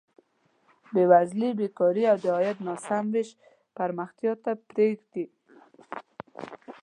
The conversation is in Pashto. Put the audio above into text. بېوزلي، بېکاري او د عاید ناسم ویش پرمختیا نه پرېږدي.